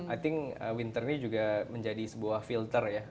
i think winter ini juga menjadi sebuah filter ya